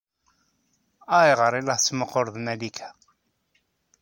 Ayɣer ay la tettmuqquleḍ Malika?